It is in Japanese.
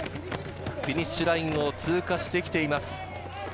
フィニッシュラインを通過してきています。